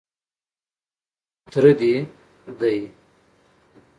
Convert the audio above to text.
_تره دې دی.